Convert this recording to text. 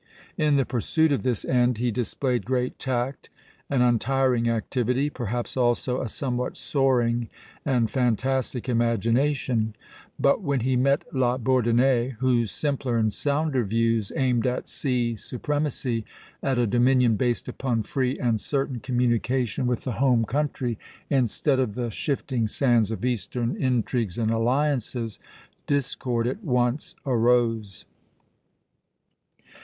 In the pursuit of this end he displayed great tact and untiring activity, perhaps also a somewhat soaring and fantastic imagination; but when he met La Bourdonnais, whose simpler and sounder views aimed at sea supremacy, at a dominion based upon free and certain communication with the home country instead of the shifting sands of Eastern intrigues and alliances, discord at once arose.